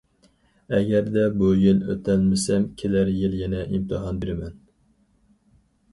ئەگەردە بۇ يىل ئۆتەلمىسەم، كېلەر يىلى يەنە ئىمتىھان بېرىمەن.